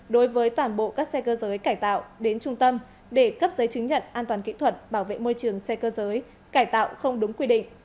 đối với toàn bộ các xe cơ giới cải tạo đến trung tâm để cấp giấy chứng nhận an toàn kỹ thuật bảo vệ môi trường xe cơ giới cải tạo không đúng quy định